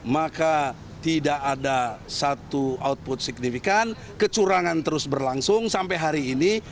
maka tidak ada satu output signifikan kecurangan terus berlangsung sampai hari ini